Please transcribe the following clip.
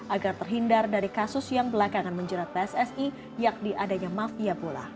agar terhindar dari kasus yang belakangan menjerat pssi yakni adanya mafia bola